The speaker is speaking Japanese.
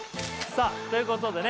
さあということでね